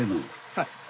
はい。